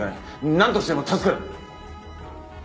なんとしてでも助けろ！